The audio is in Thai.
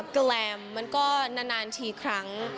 แกรมมันก็นานทีครั้ง